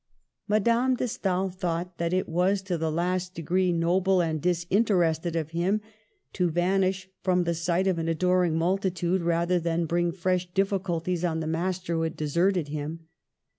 Madame de Stael thought that it was to the last degree noble and disinterested of him to van ish from the sight of an adoring multitude rather than bring fresh difficulties on the master who had deserted him.